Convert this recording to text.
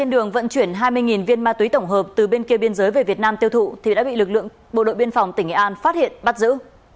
đường vận chuyển hai mươi viên ma túy tổng hợp từ bên kia biên giới về việt nam tiêu thụ thì đã bị lực lượng bộ đội biên phòng tỉnh nghệ an phát hiện bắt giữ